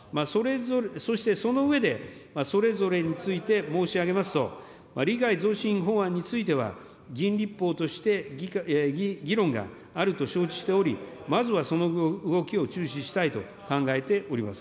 そしてその上で、それぞれについて申し上げますと、理解増進法案については、議員立法として議論があると承知しており、まずはその動きを注視したいと考えております。